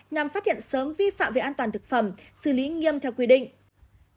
nhằm phát hiện sớm vi phạm về an toàn thực phẩm xử lý nghiêm theo quy định